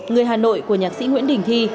người hà nội của nhạc sĩ nguyễn đình thi